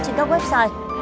trên các website